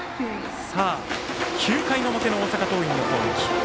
９回の表の大阪桐蔭の攻撃。